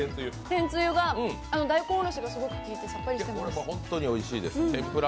天つゆが大根おろしがすごく効いてさっぱりしてます。